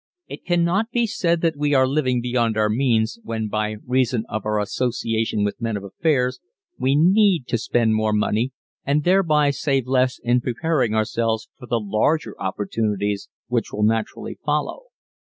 It cannot be said that we are living beyond our means when by reason of our association with men of affairs we need to spend more money and thereby save less in preparing ourselves for the larger opportunities which will naturally follow.